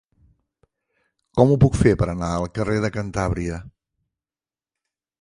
Com ho puc fer per anar al carrer de Cantàbria?